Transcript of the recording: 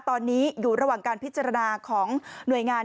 ตอนนี้อยู่ระหว่างการพิจารณาของหน่วยงาน